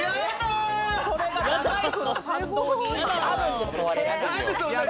それが大宰府の参道に今、あるんですよ。